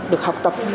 được học tập